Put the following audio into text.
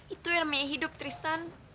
itu yang namanya hidup tristan